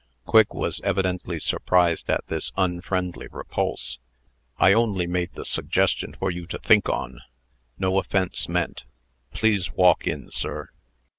Quigg was evidently surprised at this unfriendly repulse. "I only made the suggestion for you to think on. No offence meant. Please walk in, sir."